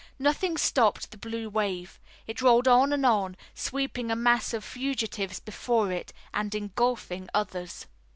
Nothing stopped the blue wave. It rolled on and on, sweeping a mass of fugitives before it, and engulfing others.